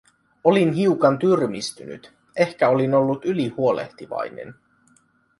Olin hiukan tyrmistynyt, ehkä olin ollut ylihuolehtivainen.